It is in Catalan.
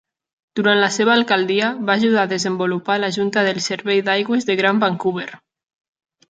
Durant la seva alcaldia, va ajudar a desenvolupar la junta del servei d'aigües de Gran Vancouver.